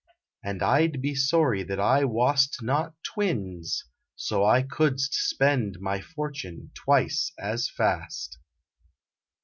And I d be sorry that I wast not twins So I couldst spend my fortune twice as fast.